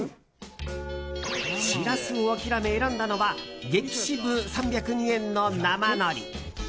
シラスを諦め選んだのは激シブ３０２円の生のり。